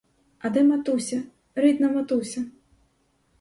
А де матуся, рідна матуся?